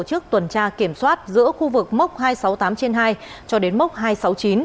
phần tra kiểm soát giữa khu vực mốc hai trăm sáu mươi tám trên hai cho đến mốc hai trăm sáu mươi chín